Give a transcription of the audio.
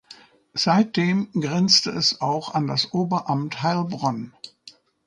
Seitdem grenzte es auch an das Oberamt Heilbronn.